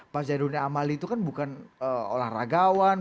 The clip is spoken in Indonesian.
pak zainuddin amali itu kan bukan olahragawan